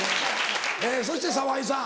えそして沢井さん